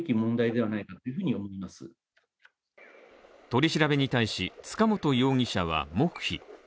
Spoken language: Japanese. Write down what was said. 取り調べに対し塚本容疑者は黙秘。